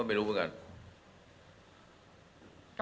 ก็ไม่รู้เพราะงั้น